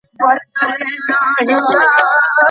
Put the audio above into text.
د میاشو مخنیوی څنګه کیږي؟